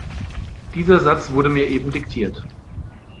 Dieser Satz wurde mir eben diktiert.